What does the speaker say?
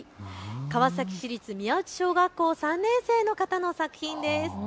川崎市立宮内小学校３年生の方の作品です。